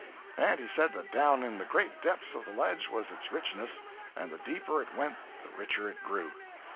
And he said that down in the great depths of the ledge was its richness, and the deeper it went the richer it grew.